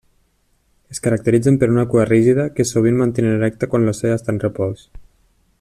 Es caracteritzen per una cua rígida que sovint mantenen erecta quan l'ocell està en repòs.